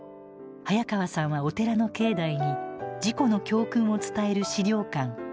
早川さんはお寺の境内に事故の教訓を伝える資料館